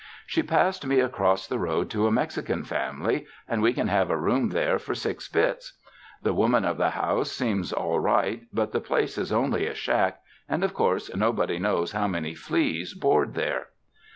She passed me across the road to a Mexican family, and we can have a room there for six bits. The woman of the house seems all right but the place is only a shack, and of course nobody knows how many fleas board there."